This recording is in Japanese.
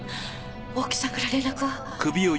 大木さんから連絡は？